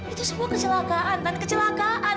itu semua kecelakaan kan kecelakaan